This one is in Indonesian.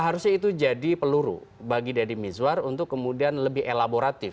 jadi itu jadi peluru bagi deddy miswar untuk kemudian lebih elaboratif